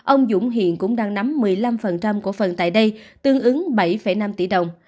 ông dũng hiện cũng đang nắm một mươi năm cổ phần tại đây tương ứng bảy năm tỷ đồng